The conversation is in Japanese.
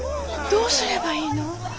どうすればいいの？